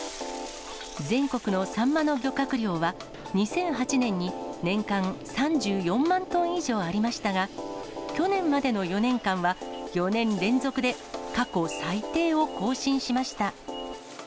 全国のサンマの漁獲量は２００８年に年間３４万トン以上ありましたが、去年までの４年間は４年連続で過去最低を更新しました。